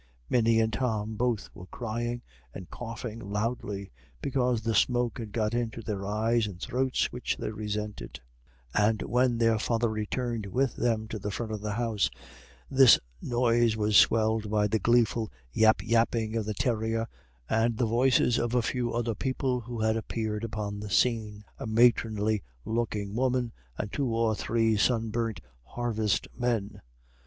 Minnie and Tom both were crying and coughing loudly, because the smoke had got into their eyes and throats, which they resented; and when their father returned with them to the front of the house, this noise was swelled by the gleeful yap yapping of the terrier and the voices of a few other people who had appeared upon the scene a matronly looking woman and two or three sun burnt harvestmen.